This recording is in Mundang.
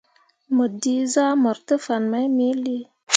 Mo dǝ zahmor te fan mai me lii.